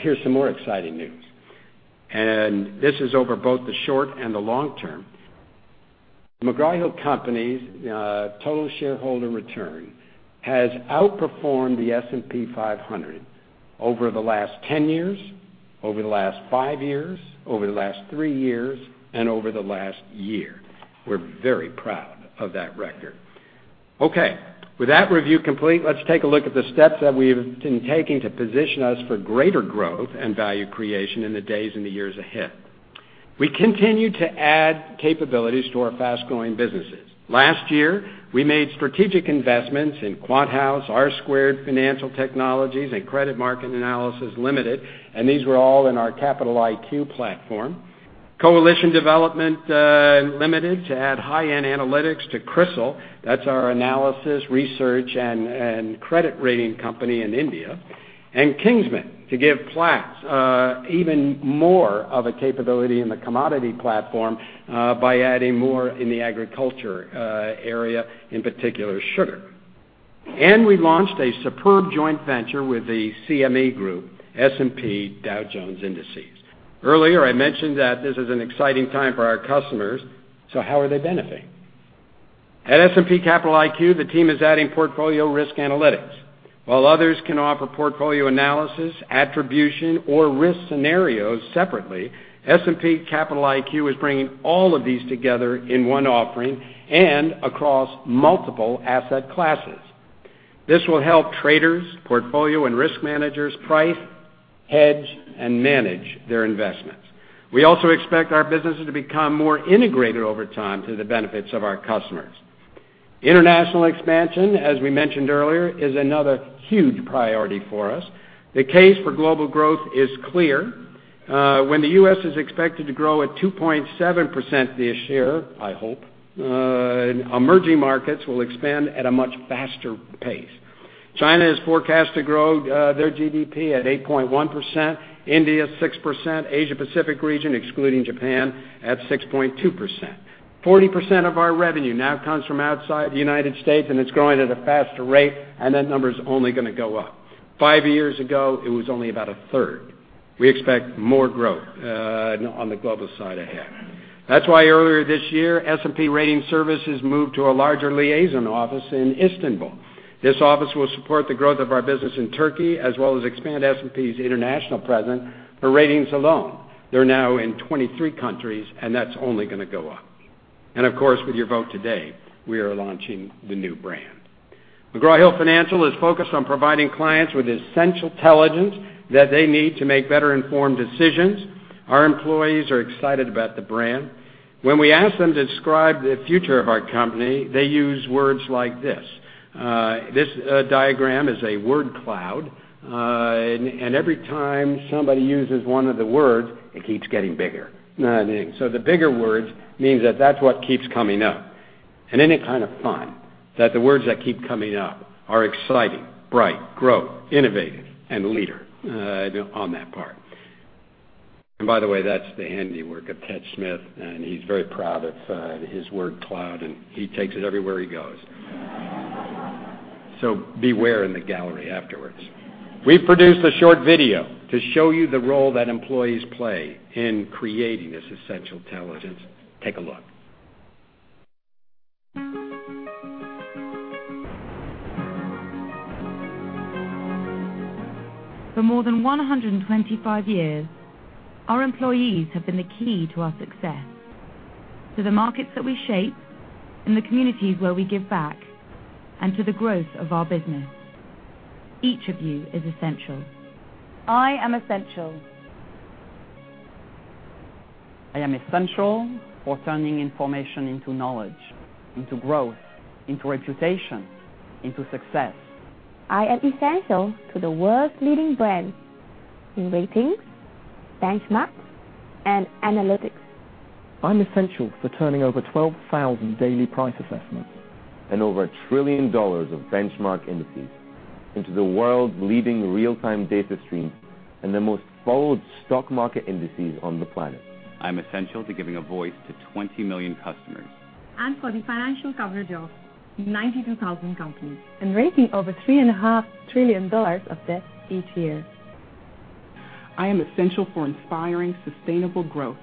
Here's some more exciting news. This is over both the short and the long term. McGraw-Hill Company's total shareholder return has outperformed the S&P 500 over the last 10 years, over the last 5 years, over the last 3 years, and over the last 1 year. We're very proud of that record. Okay, with that review complete, let's take a look at the steps that we've been taking to position us for greater growth and value creation in the days and the years ahead. We continue to add capabilities to our fast-growing businesses. Last year, we made strategic investments in QuantHouse, R² Financial Technologies, and Credit Market Analysis Limited, and these were all in our Capital IQ platform. Coalition Development Limited to add high-end analytics to CRISIL, that's our analysis, research, and credit rating company in India. Kingsman to give Platts even more of a capability in the commodity platform by adding more in the agriculture area, in particular sugar. We launched a superb joint venture with the CME Group, S&P Dow Jones Indices. Earlier, I mentioned that this is an exciting time for our customers. How are they benefiting? At S&P Capital IQ, the team is adding portfolio risk analytics. While others can offer portfolio analysis, attribution, or risk scenarios separately, S&P Capital IQ is bringing all of these together in one offering and across multiple asset classes. This will help traders, portfolio and risk managers price, hedge, and manage their investments. We also expect our businesses to become more integrated over time to the benefits of our customers. International expansion, as we mentioned earlier, is another huge priority for us. The case for global growth is clear. When the U.S. is expected to grow at 2.7% this year, I hope, emerging markets will expand at a much faster pace. China is forecast to grow their GDP at 8.1%, India 6%, Asia-Pacific region, excluding Japan, at 6.2%. 40% of our revenue now comes from outside the United States, and it's growing at a faster rate, and that number's only going to go up. 5 years ago, it was only about a third. We expect more growth on the global side ahead. That's why earlier this year, S&P Ratings Services moved to a larger liaison office in Istanbul. This office will support the growth of our business in Turkey as well as expand S&P's international presence for ratings alone. They're now in 23 countries, and that's only going to go up. Of course, with your vote today, we are launching the new brand. McGraw Hill Financial is focused on providing clients with the essential intelligence that they need to make better-informed decisions. Our employees are excited about the brand. When we ask them to describe the future of our company, they use words like this. This diagram is a word cloud, and every time somebody uses one of the words, it keeps getting bigger. The bigger words means that that's what keeps coming up. Isn't it kind of fun that the words that keep coming up are exciting, bright, growth, innovative, and leader on that part. By the way, that's the handiwork of Ted Smyth, and he's very proud of his word cloud, and he takes it everywhere he goes. Beware in the gallery afterwards. We've produced a short video to show you the role that employees play in creating this essential intelligence. Take a look. For more than 125 years, our employees have been the key to our success. To the markets that we shape and the communities where we give back, and to the growth of our business. Each of you is essential. I am essential. I am essential for turning information into knowledge, into growth, into reputation, into success. I am essential to the world's leading brand in ratings, benchmarks, and analytics. I'm essential for turning over 12,000 daily price assessments. Over $1 trillion of benchmark indices into the world's leading real-time data stream and the most followed stock market indices on the planet. I'm essential to giving a voice to 20 million customers. For the financial coverage of 92,000 companies. Rating over $3.5 trillion of debt each year. I am essential for inspiring sustainable growth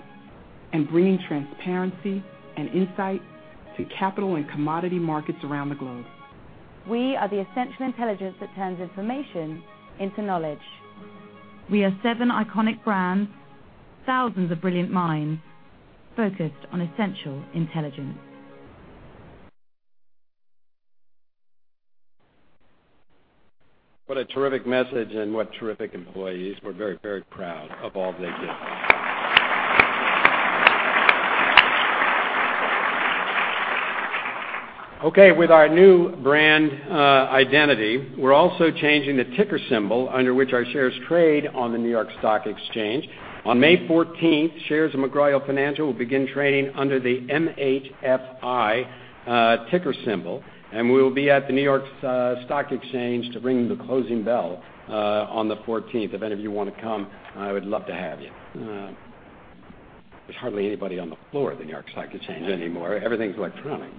and bringing transparency and insight to capital and commodity markets around the globe. We are the essential intelligence that turns information into knowledge. We are seven iconic brands, thousands of brilliant minds focused on essential intelligence. What a terrific message and what terrific employees. We're very, very proud of all they do. Okay, with our new brand identity, we're also changing the ticker symbol under which our shares trade on the New York Stock Exchange. On May 14th, shares of McGraw Hill Financial will begin trading under the MHFI ticker symbol, and we will be at the New York Stock Exchange to ring the closing bell on the 14th. If any of you want to come, I would love to have you. There's hardly anybody on the floor of the New York Stock Exchange anymore. Everything's electronic.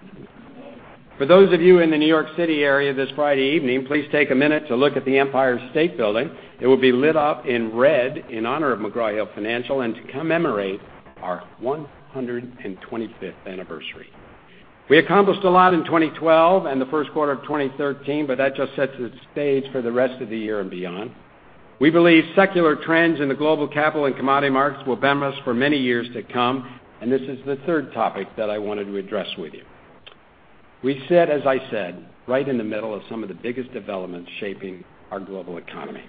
For those of you in the New York City area this Friday evening, please take a minute to look at the Empire State Building. It will be lit up in red in honor of McGraw Hill Financial and to commemorate our 125th anniversary. We accomplished a lot in 2012 and the first quarter of 2013, that just sets the stage for the rest of the year and beyond. We believe secular trends in the global capital and commodity markets will bear us for many years to come, and this is the third topic that I wanted to address with you. We sit, as I said, right in the middle of some of the biggest developments shaping our global economy.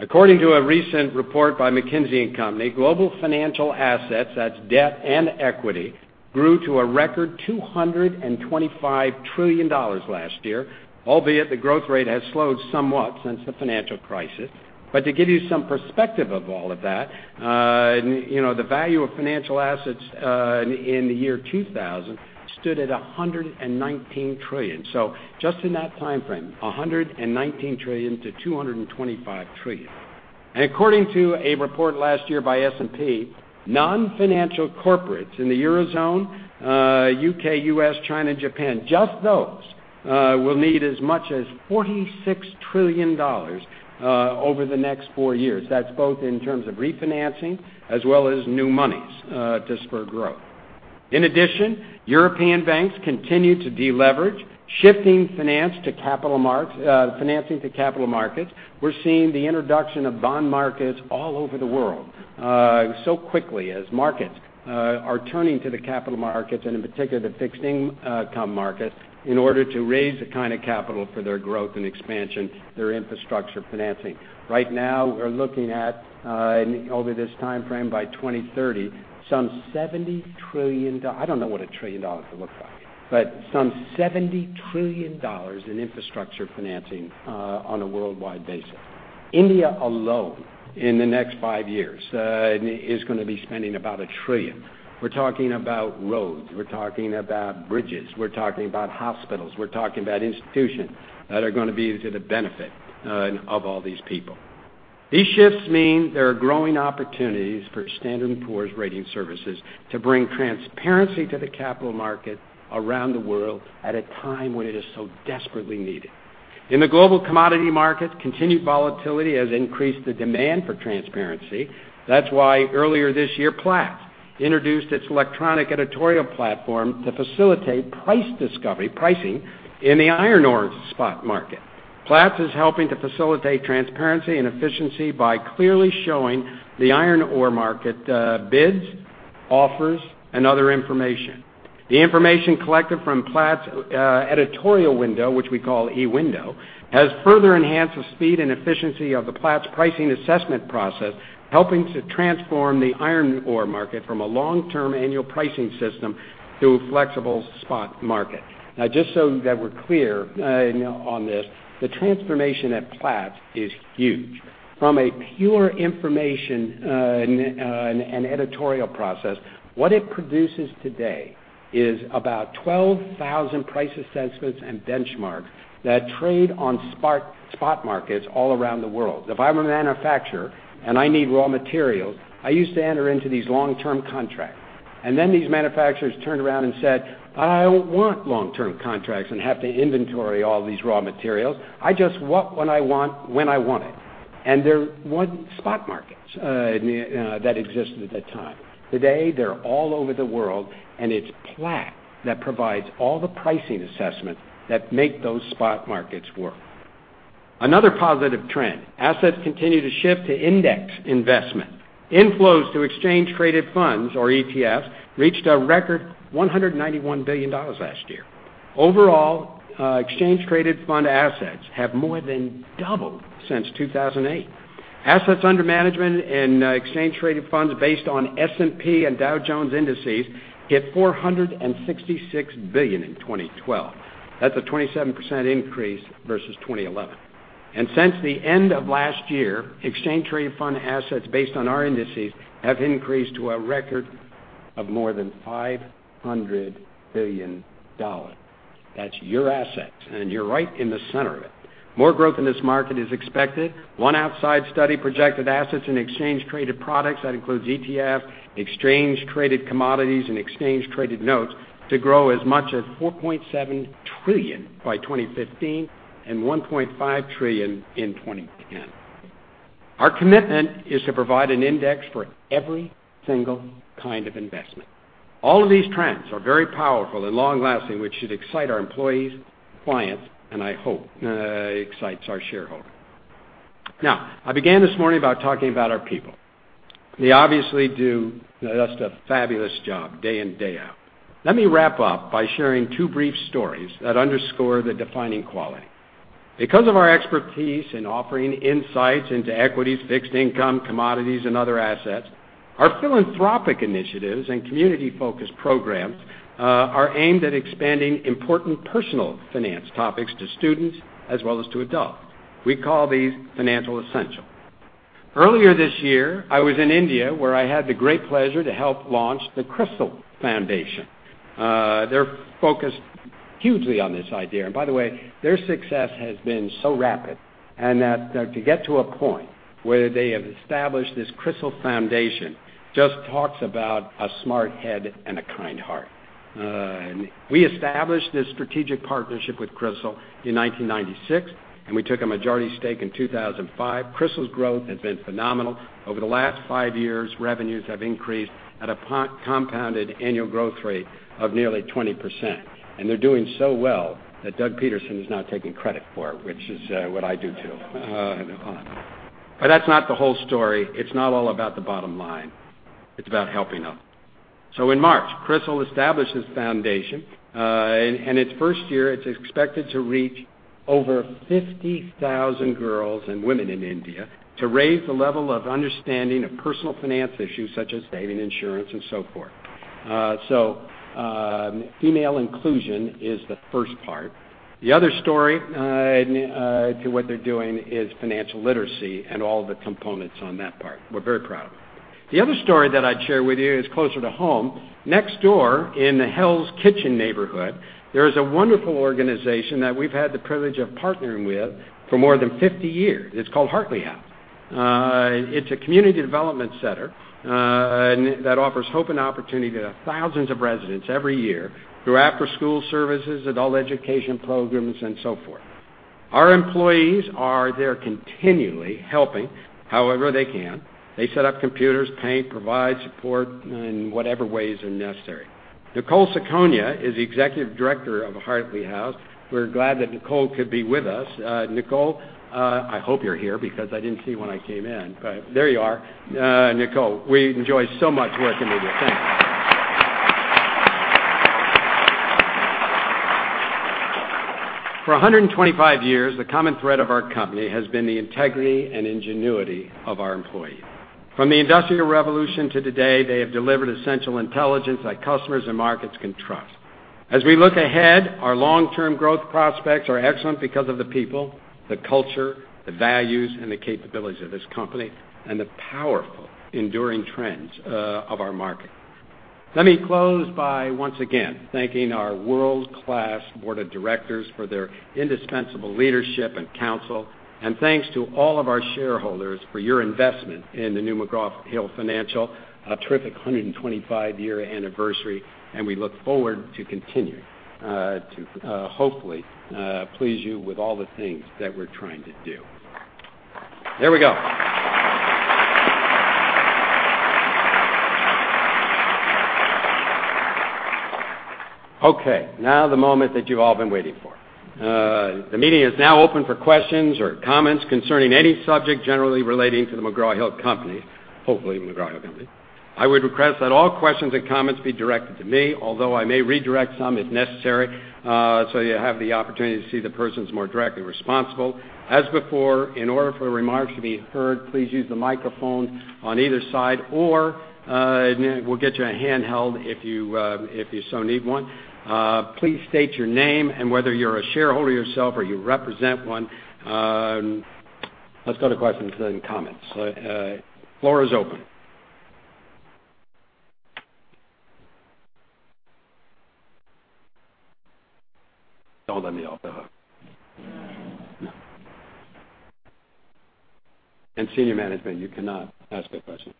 According to a recent report by McKinsey & Company, global financial assets, that's debt and equity, grew to a record $225 trillion last year, albeit the growth rate has slowed somewhat since the financial crisis. To give you some perspective of all of that, the value of financial assets in the year 2000 stood at $119 trillion. Just in that timeframe, $119 trillion-$225 trillion. According to a report last year by S&P, non-financial corporates in the Eurozone, U.K., U.S., China, and Japan, just those will need as much as $46 trillion over the next four years. That's both in terms of refinancing as well as new monies to spur growth. In addition, European banks continue to deleverage, shifting financing to capital markets. We're seeing the introduction of bond markets all over the world so quickly as markets are turning to the capital markets, and in particular, the fixed-income markets, in order to raise the kind of capital for their growth and expansion, their infrastructure financing. Right now, we're looking at, over this timeframe by 2030, some $70 trillion. I don't know what a trillion dollars will look like, but some $70 trillion in infrastructure financing on a worldwide basis. India alone, in the next five years, is going to be spending about a trillion. We're talking about roads. We're talking about bridges. We're talking about hospitals. We're talking about institutions that are going to be to the benefit of all these people. These shifts mean there are growing opportunities for Standard & Poor's Ratings Services to bring transparency to the capital market around the world at a time when it is so desperately needed. In the global commodity market, continued volatility has increased the demand for transparency. That's why earlier this year, Platts introduced its electronic editorial platform to facilitate price discovery, pricing in the iron ore spot market. Platts is helping to facilitate transparency and efficiency by clearly showing the iron ore market bids, offers, and other information. The information collected from Platts' editorial window, which we call eWindow, has further enhanced the speed and efficiency of the Platts pricing assessment process, helping to transform the iron ore market from a long-term annual pricing system to a flexible spot market. Just so that we're clear on this, the transformation at Platts is huge. From a pure information and editorial process, what it produces today is about 12,000 price assessments and benchmarks that trade on spot markets all around the world. If I'm a manufacturer and I need raw materials, I used to enter into these long-term contracts, and then these manufacturers turned around and said, "I don't want long-term contracts and have to inventory all these raw materials. I just want what I want when I want it." There weren't spot markets that existed at that time. Another positive trend, assets continue to shift to index investment. Inflows to exchange-traded funds, or ETFs, reached a record $191 billion last year. Overall, exchange-traded fund assets have more than doubled since 2008. Assets under management in exchange-traded funds based on S&P and Dow Jones indices hit $466 billion in 2012. That's a 27% increase versus 2011. Since the end of last year, exchange-traded fund assets based on our indices have increased to a record of more than $500 billion. That's your assets, and you're right in the center of it. More growth in this market is expected. One outside study projected assets in exchange-traded products, that includes ETF, exchange-traded commodities, and exchange-traded notes, to grow as much as $4.7 trillion by 2015 and $1.5 trillion in 2010. Our commitment is to provide an index for every single kind of investment. All of these trends are very powerful and long-lasting, which should excite our employees, clients, and I hope excites our shareholders. I began this morning by talking about our people. They obviously do just a fabulous job day in, day out. Let me wrap up by sharing two brief stories that underscore the defining quality. Because of our expertise in offering insights into equities, fixed income, commodities, and other assets, our philanthropic initiatives and community-focused programs are aimed at expanding important personal finance topics to students as well as to adults. We call these financial essentials. Earlier this year, I was in India, where I had the great pleasure to help launch the CRISIL Foundation. They're focused hugely on this idea. By the way, their success has been so rapid, and that to get to a point where they have established this CRISIL Foundation just talks about a smart head and a kind heart. We established this strategic partnership with CRISIL in 1996, and we took a majority stake in 2005. CRISIL's growth has been phenomenal. Over the last five years, revenues have increased at a compounded annual growth rate of nearly 20%, and they're doing so well that Doug Peterson is now taking credit for it, which is what I do, too. That's not the whole story. It's not all about the bottom line. It's about helping others. In March, CRISIL established this foundation. In its first year, it's expected to reach over 50,000 girls and women in India to raise the level of understanding of personal finance issues such as saving, insurance, and so forth. Female inclusion is the first part. The other story to what they're doing is financial literacy and all the components on that part. We're very proud. The other story that I'd share with you is closer to home. Next door in the Hell's Kitchen neighborhood, there is a wonderful organization that we've had the privilege of partnering with for more than 50 years. It's called Hartley House. It's a community development center that offers hope and opportunity to thousands of residents every year through after-school services, adult education programs, and so forth. Our employees are there continually helping however they can. They set up computers, paint, provide support in whatever ways are necessary. Nicole Cicogna is the Executive Director of Hartley House. We're glad that Nicole could be with us. Nicole, I hope you're here because I didn't see you when I came in, but there you are. Nicole, we enjoy so much working with you. Thanks. For 125 years, the common thread of our company has been the integrity and ingenuity of our employees. From the Industrial Revolution to today, they have delivered essential intelligence that customers and markets can trust. As we look ahead, our long-term growth prospects are excellent because of the people, the culture, the values, and the capabilities of this company, and the powerful enduring trends of our market. Let me close by once again thanking our world-class board of directors for their indispensable leadership and counsel, and thanks to all of our shareholders for your investment in the new McGraw Hill Financial, a terrific 125-year anniversary, and we look forward to continuing to hopefully please you with all the things that we're trying to do. There we go. The moment that you've all been waiting for. The meeting is now open for questions or comments concerning any subject generally relating to the McGraw-Hill Company, hopefully the McGraw-Hill Company. I would request that all questions and comments be directed to me, although I may redirect some if necessary, so you have the opportunity to see the persons more directly responsible. As before, in order for a remark to be heard, please use the microphone on either side, or we'll get you a handheld if you so need one. Please state your name and whether you're a shareholder yourself or you represent one. Let's go to questions and comments. Floor is open. Don't let me off the hook. No. No. Senior management, you cannot ask a question.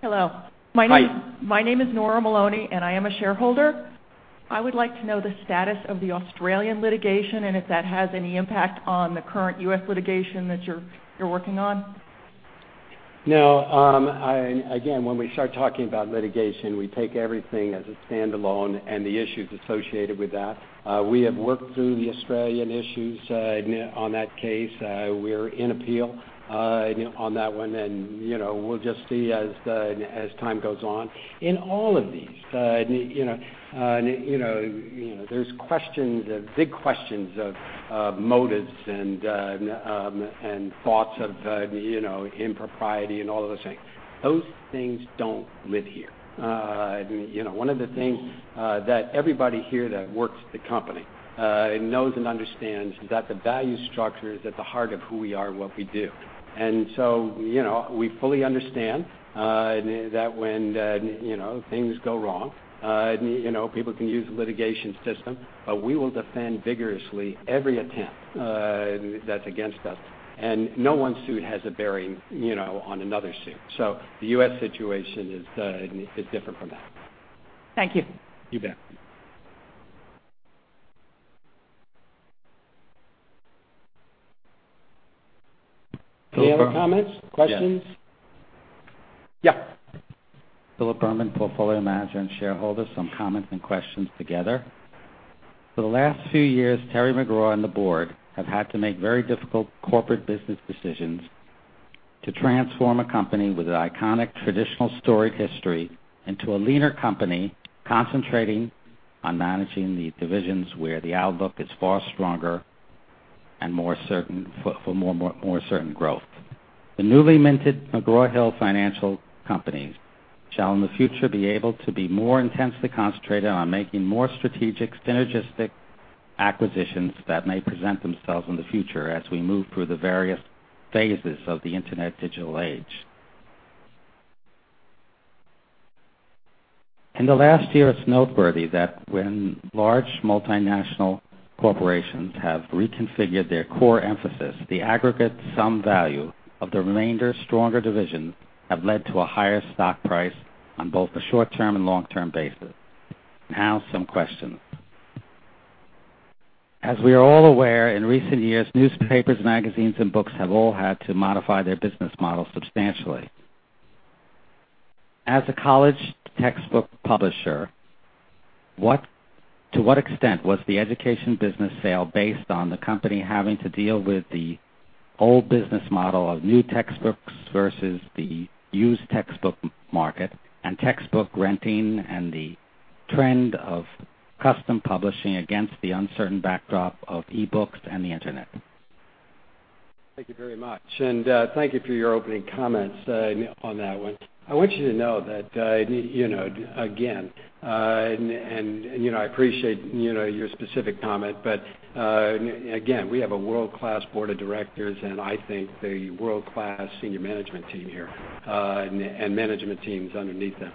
Hello. Hi. My name is Nora Maloney, and I am a shareholder. I would like to know the status of the Australian litigation and if that has any impact on the current U.S. litigation that you're working on. No. Again, when we start talking about litigation, we take everything as a standalone and the issues associated with that. We have worked through the Australian issues on that case. We're in appeal on that one and we'll just see as time goes on. In all of these there's questions, big questions of motives and thoughts of impropriety and all of those things. Those things don't live here. One of the things that everybody here that works at the company knows and understands is that the value structure is at the heart of who we are and what we do. We fully understand that when things go wrong people can use the litigation system, but we will defend vigorously every attempt that's against us, and no one suit has a bearing on another suit. The U.S. situation is different from that. Thank you. You bet. Any other comments, questions? Yes. Yeah. Philip Berman, portfolio manager and shareholder, some comments and questions together. For the last few years, Terry McGraw and the board have had to make very difficult corporate business decisions to transform a company with an iconic, traditional storied history into a leaner company, concentrating on managing the divisions where the outlook is far stronger and for more certain growth. The newly minted McGraw Hill Financial company shall in the future be able to be more intensely concentrated on making more strategic, synergistic acquisitions that may present themselves in the future as we move through the various phases of the internet digital age. In the last year, it's noteworthy that when large multinational corporations have reconfigured their core emphasis, the aggregate sum value of the remainder stronger divisions have led to a higher stock price on both the short-term and long-term basis. Some questions. As we are all aware, in recent years, newspapers, magazines, and books have all had to modify their business models substantially. As a college textbook publisher, to what extent was the education business sale based on the company having to deal with the old business model of new textbooks versus the used textbook market and textbook renting and the trend of custom publishing against the uncertain backdrop of e-books and the internet? Thank you very much. Thank you for your opening comments on that one. I want you to know that, again, I appreciate your specific comment, but again, we have a world-class board of directors, and I think a world-class senior management team here and management teams underneath them.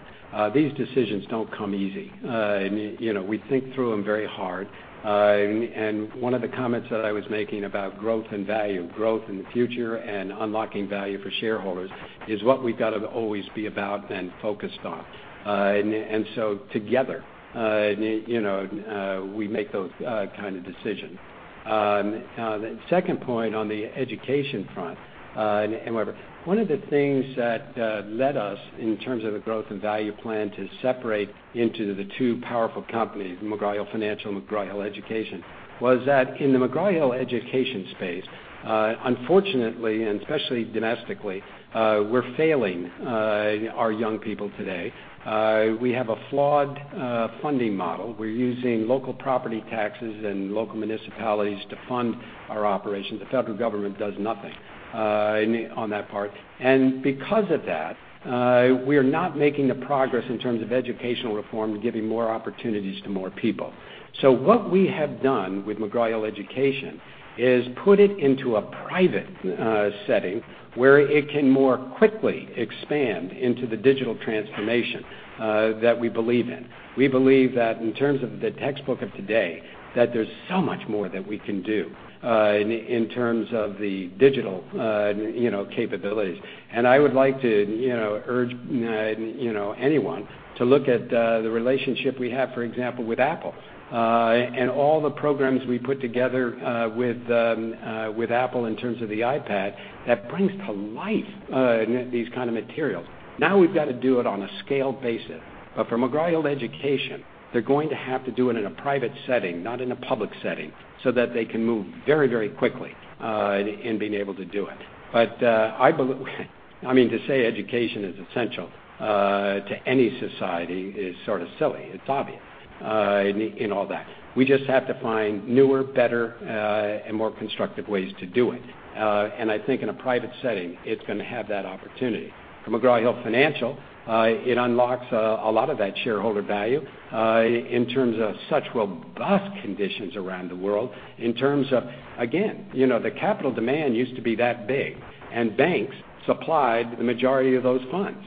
These decisions don't come easy. We think through them very hard. One of the comments that I was making about growth and value, growth in the future, and unlocking value for shareholders is what we've got to always be about and focused on. Together we make those kind of decisions. The second point on the education front, one of the things that led us, in terms of the growth and value plan, to separate into the two powerful companies, McGraw Hill Financial and McGraw Hill Education, was that in the McGraw Hill Education space, unfortunately, and especially domestically, we're failing our young people today. We have a flawed funding model. We're using local property taxes and local municipalities to fund our operations. The federal government does nothing on that part. Because of that, we are not making the progress in terms of educational reform and giving more opportunities to more people. What we have done with McGraw Hill Education is put it into a private setting where it can more quickly expand into the digital transformation that we believe in. We believe that in terms of the textbook of today, that there's so much more that we can do in terms of the digital capabilities. I would like to urge anyone to look at the relationship we have, for example, with Apple. All the programs we put together with Apple in terms of the iPad, that brings to life these kind of materials. We've got to do it on a scale basis. For McGraw Hill Education, they're going to have to do it in a private setting, not in a public setting, so that they can move very quickly in being able to do it. I mean, to say education is essential to any society is sort of silly. It's obvious in all that. We just have to find newer, better, and more constructive ways to do it. I think in a private setting, it's going to have that opportunity. For McGraw Hill Financial, it unlocks a lot of that shareholder value in terms of such robust conditions around the world, in terms of, again, the capital demand used to be that big, and banks supplied the majority of those funds.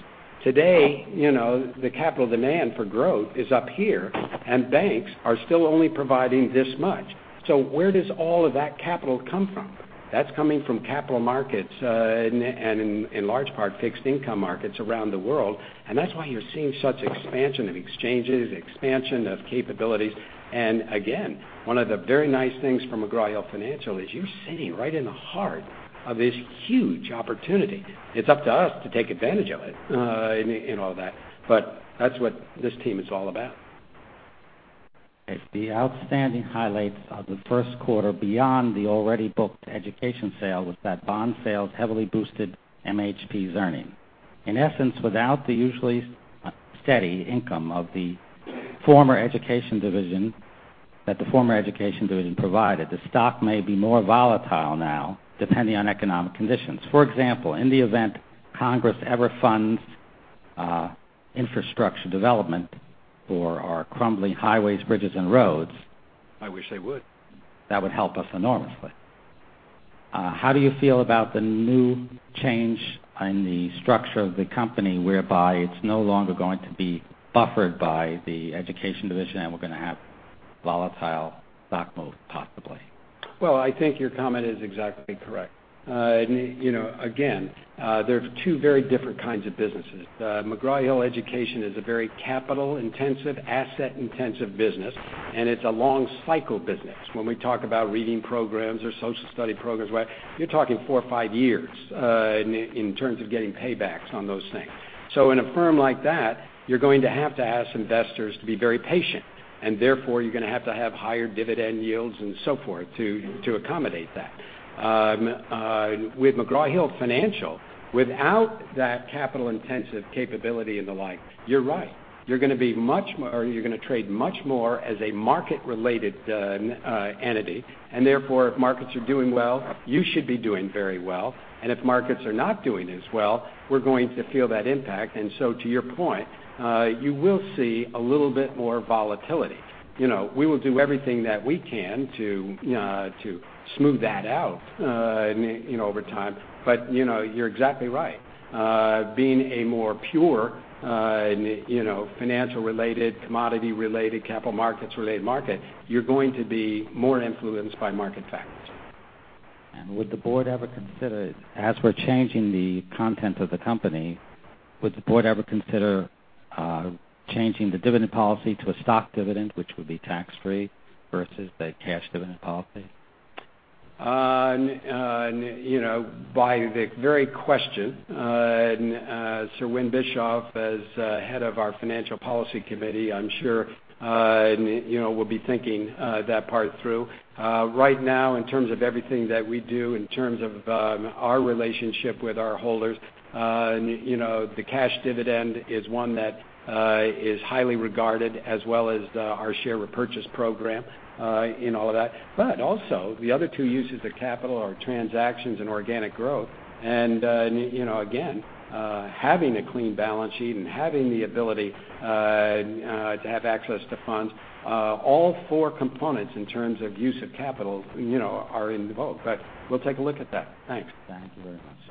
Today, the capital demand for growth is up here, and banks are still only providing this much. Where does all of that capital come from? That's coming from capital markets, and in large part, fixed income markets around the world. That's why you're seeing such expansion of exchanges, expansion of capabilities. Again, one of the very nice things for McGraw Hill Financial is you're sitting right in the heart of this huge opportunity. It's up to us to take advantage of it in all that. That's what this team is all about. The outstanding highlights of the first quarter beyond the already booked Education sale was that bond sales heavily boosted MHP's earnings. In essence, without the usually steady income that the former Education division provided, the stock may be more volatile now, depending on economic conditions. For example, in the event Congress ever funds infrastructure development for our crumbling highways, bridges, and roads. I wish they would That would help us enormously. How do you feel about the new change in the structure of the company, whereby it's no longer going to be buffered by the Education division, and we're going to have volatile stock moves possibly? Well, I think your comment is exactly correct. Again, they're two very different kinds of businesses. McGraw-Hill Education is a very capital-intensive, asset-intensive business, and it's a long cycle business. When we talk about reading programs or social study programs, you're talking four or five years in terms of getting paybacks on those things. In a firm like that, you're going to have to ask investors to be very patient, and therefore, you're going to have to have higher dividend yields and so forth to accommodate that. With McGraw Hill Financial, without that capital-intensive capability and the like, you're right. You're going to trade much more as a market-related entity, and therefore, if markets are doing well, you should be doing very well. If markets are not doing as well, we're going to feel that impact. To your point, you will see a little bit more volatility. We will do everything that we can to smooth that out over time. You're exactly right. Being a more pure financial-related, commodity-related, capital markets-related market, you're going to be more influenced by market factors. Would the board ever consider, as we're changing the content of the company, would the board ever consider changing the dividend policy to a stock dividend, which would be tax-free, versus the cash dividend policy? By the very question, Sir Winfried Bischoff, as head of our financial policy committee, I'm sure will be thinking that part through. Right now, in terms of everything that we do, in terms of our relationship with our holders, the cash dividend is one that is highly regarded, as well as our share repurchase program in all of that. Also, the other two uses of capital are transactions and organic growth. Again, having a clean balance sheet and having the ability to have access to funds, all four components in terms of use of capital are in the vote. We'll take a look at that. Thanks. Thank you very much.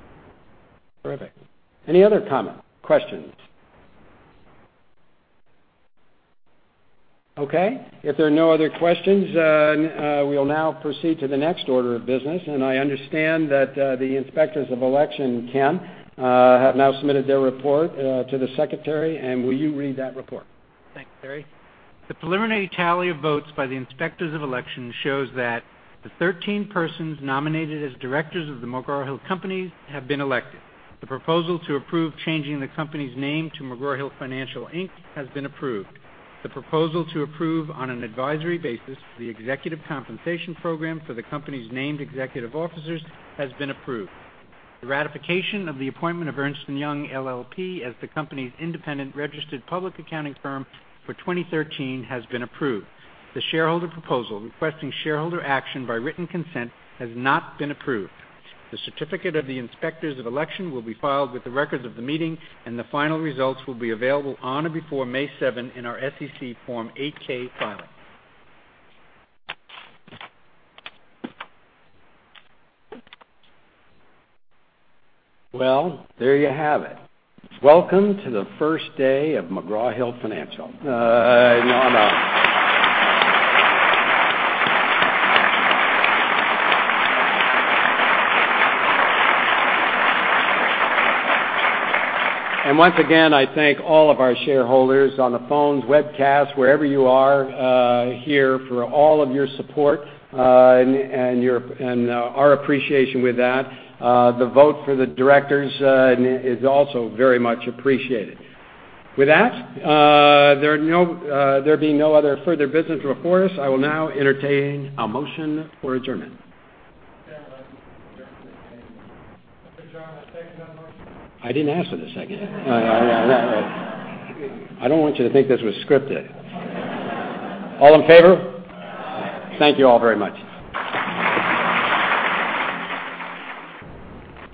Perfect. Any other comments, questions? Okay. If there are no other questions, we'll now proceed to the next order of business. I understand that the Inspectors of Election, Ken, have now submitted their report to the secretary. Will you read that report? Thanks, Terry. The preliminary tally of votes by the Inspectors of Election shows that the 13 persons nominated as directors of the McGraw-Hill Company have been elected. The proposal to approve changing the company's name to McGraw Hill Financial, Inc. has been approved. The proposal to approve on an advisory basis the executive compensation program for the company's named executive officers has been approved. The ratification of the appointment of Ernst & Young LLP as the company's independent registered public accounting firm for 2013 has been approved. The shareholder proposal requesting shareholder action by written consent has not been approved. The certificate of the Inspectors of Election will be filed with the records of the meeting, and the final results will be available on or before May 7 in our SEC Form 8-K filing. Well, there you have it. Welcome to the first day of McGraw Hill Financial. Once again, I thank all of our shareholders on the phones, webcast, wherever you are here for all of your support and our appreciation with that. The vote for the directors is also very much appreciated. With that, there being no other further business before us, I will now entertain a motion for adjournment. John, I second I didn't ask for the second. I don't want you to think this was scripted. All in favor? Aye. Thank you all very much.